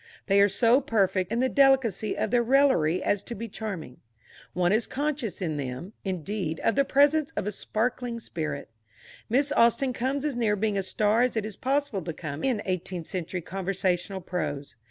They are so perfect in the delicacy of their raillery as to be charming. One is conscious in them, indeed, of the presence of a sparkling spirit. Miss Austen comes as near being a star as it is possible to come in eighteenth century conversational prose.